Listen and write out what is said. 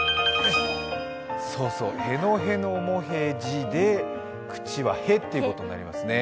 そうそう、へのへのもへじで口は「へ」ってことになりますね。